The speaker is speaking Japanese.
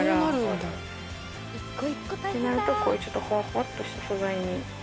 ってなるとこうちょっとほわほわっとした素材に。